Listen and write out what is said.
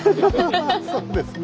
そうですね。